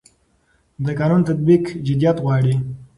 د قانون تطبیق جديت غواړي